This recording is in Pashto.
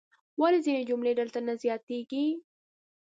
ولې ځینې جملې دلته نه زیاتیږي؟